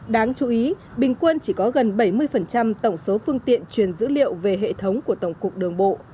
đáng chú ý bình quân chỉ có gần bảy mươi tổng số phương tiện truyền dữ liệu về hệ thống của tổng cục đường bộ